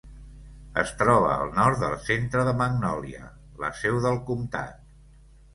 Es troba al nord del centre de Magnolia, la seu del comtat.